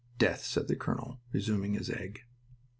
"Death," said the colonel, resuming his egg.